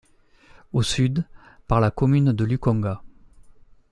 Au Sud, par la Commune de Lukonga.